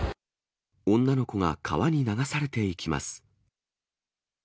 女の子が川に流されていきます。